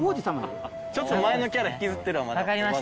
ちょっと前のキャラ引きずってるわまだ。